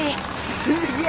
すごいね。